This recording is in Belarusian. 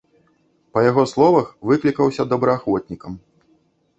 Па яго словах, выклікаўся добраахвотнікам.